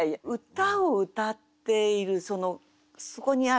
歌を歌っているそのそこにある歌詞？